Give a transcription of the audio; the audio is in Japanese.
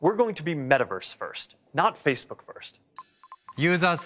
ユーザー数